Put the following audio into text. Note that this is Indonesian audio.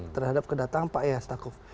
terhadap kedatangan pak ehas takuf